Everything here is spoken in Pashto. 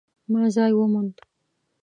ما ځای وموند